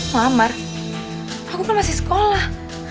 melamar aku kan masih sekolah